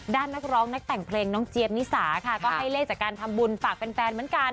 นักร้องนักแต่งเพลงน้องเจี๊ยบนิสาค่ะก็ให้เลขจากการทำบุญฝากแฟนเหมือนกัน